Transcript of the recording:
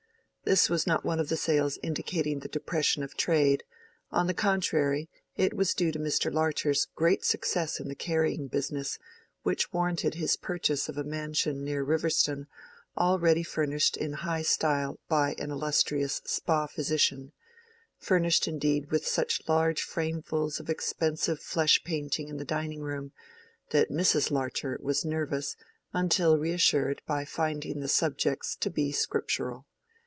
This was not one of the sales indicating the depression of trade; on the contrary, it was due to Mr. Larcher's great success in the carrying business, which warranted his purchase of a mansion near Riverston already furnished in high style by an illustrious Spa physician—furnished indeed with such large framefuls of expensive flesh painting in the dining room, that Mrs. Larcher was nervous until reassured by finding the subjects to be Scriptural.